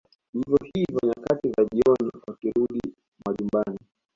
Vivyo hivyo nyakati za jioni wakirudi majumbani